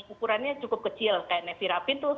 ukurannya cukup kecil kayak nevirapin tuh